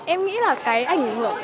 em nghĩ là cái ảnh hưởng